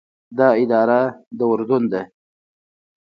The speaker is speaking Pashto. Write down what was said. دا اداره د اردن ده.